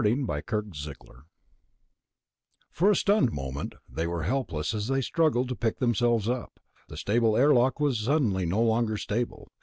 The Black Raider For a stunned moment they were helpless as they struggled to pick themselves up. The stable airlock deck was suddenly no longer stable